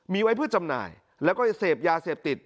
มีไว้เพื่อจำหน่ายแล้วก็จะเสพยาเสพติด